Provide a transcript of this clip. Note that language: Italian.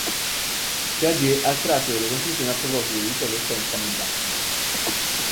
Piaget ha tratto delle conclusioni a proposito di ciò che pensano i bambini.